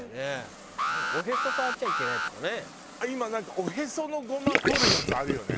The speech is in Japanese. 今なんかおへそのゴマ取るやつあるよね。